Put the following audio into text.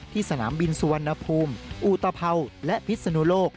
ที่สนามบินสวรรณภูมิอุตพวงศ์และพิษณุโลก